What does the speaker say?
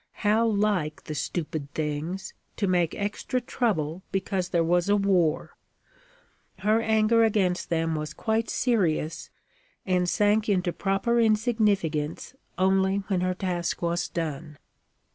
How like the stupid things, to make extra trouble because there was a war! Her anger against them was quite serious, and sank into proper insignificance only when her task was done.